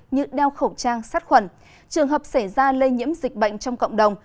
như đeo khẩu trang sát khuẩn trường hợp xảy ra lây nhiễm dịch bệnh trong cộng đồng